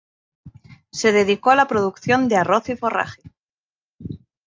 Se dedicó a la producción de arroz y forraje.